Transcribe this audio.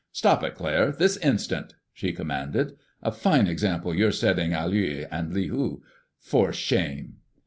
"Stop it, Claire, this instant!" she commanded. "A fine example you're setting Alua and Lehu. For shame!"